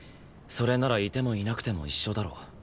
それならいてもいなくても一緒だろ。